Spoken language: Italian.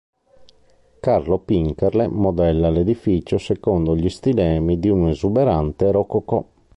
Carlo Pincherle modella l'edificio secondo gli stilemi di un esuberante rococò.